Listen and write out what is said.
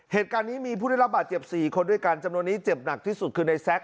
เหตุการณ์นี้มีผู้ได้รับบาดเจ็บ๔คนด้วยกันจำนวนนี้เจ็บหนักที่สุดคือในแซค